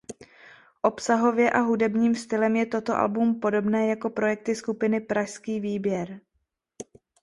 Obsahově a hudebním stylem je toto album podobné jako projekty skupiny Pražský výběr.